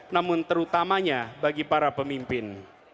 namun terutamanya bagi para pemimpin